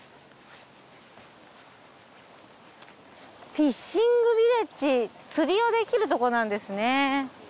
フィッシングヴィレッジ釣りができるとこなんですね。